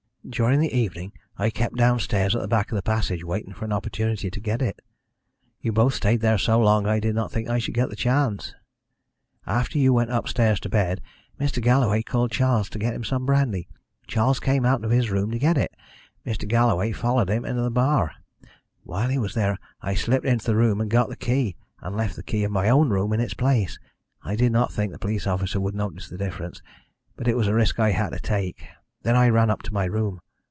During the evening I kept downstairs at the back of the passage waiting for an opportunity to get it. You both stayed there so long that I did not think I should get the chance. "After you went upstairs to bed Mr. Galloway called Charles to get him some brandy. Charles came out from his room to get it. Mr. Galloway followed him into the bar. While he was there I slipped into the room and got the key, and left the key of my own room in its place. I did not think the police officer would notice the difference, but it was a risk I had to take. Then I ran up to my room.